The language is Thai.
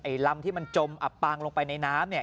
ไอลำที่มันจมอับปางลงไปในน้ำ